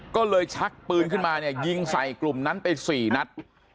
ก็เลยชักปืนขึ้นมาเนี่ยยิงใส่กลุ่มนั้นไป๔นัด